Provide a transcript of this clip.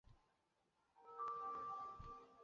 保管员被绑了一夜。